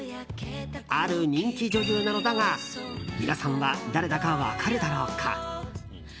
ある人気女優なのだが皆さんは誰だか分かるだろうか？